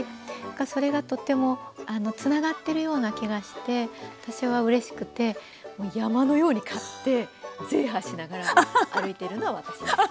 それがとってもつながってるような気がして私はうれしくてもう山のように買ってゼーハーしながら歩いてるのは私です。